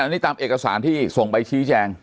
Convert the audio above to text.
นี่ตามเอกสารที่ส่งไปชี้แจง